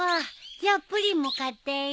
じゃあプリンも買っていい？